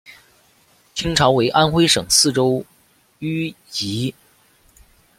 清朝为安徽省泗州盱眙。